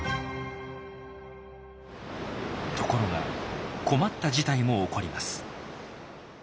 ところが困った事態も起こります。